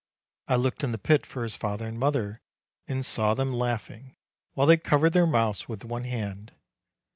I looked in the pit for his father and mother, and saw them laughing, while they covered their mouths with one hand.